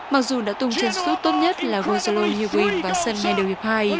mặc dù đã tung chân sút tốt nhất là rosalind huyen vào sân ngay đầu hiệp hai